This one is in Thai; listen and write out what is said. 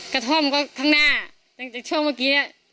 กระท่อมก็ข้างหน้าจากช่วงเมื่อกี้นะ